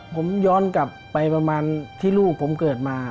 ผมย้อนกลับไปประมาณที่ลูกผมเกิดมา